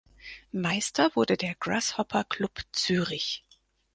Meister wurde der Grasshopper Club Zürich.